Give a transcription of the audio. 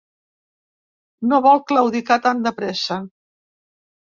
No vol claudicar tan de pressa.